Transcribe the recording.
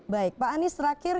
baik pak anies terakhir